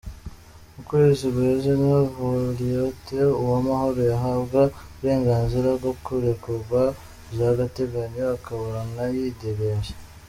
Mu kwezi guheze niho Violette Uwamahoro yahabwa uburenganzira bwo kurekugwa vy'agateganyo akaburana yidegenvya.